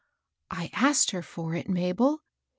" I asked her for it, Mabel.